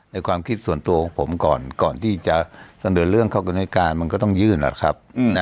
ในความคิดส่วนตัวของผมก่อนก่อนที่จะเสนอเรื่องเข้ากันให้การมันก็ต้องยื่นล่ะครับ